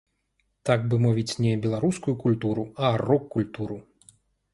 Так бы мовіць, не беларускую культуру, а рок-культуру.